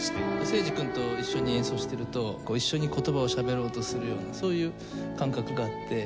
誠司君と一緒に演奏してると一緒に言葉を喋ろうとするようなそういう感覚があって。